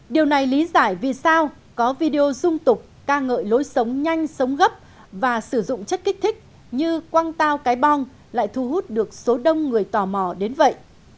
điều này lý giải vì sao có video dung tục ca ngợi lối sống nhanh sống gấp và sử dụng chất kích thích như quang tao cái bong lại thu hút được số đông người tò mò đến vậy